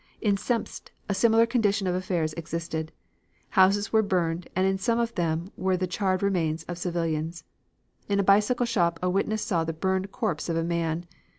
In Sempst a similar condition of affairs existed. Houses were burning and in some of them were the charred remains of civilians. In a bicycle shop a witness saw the burned corpse of a man.